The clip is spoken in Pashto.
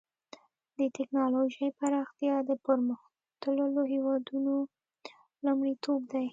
د ټکنالوجۍ پراختیا د پرمختللو هېوادونو لومړیتوب دی.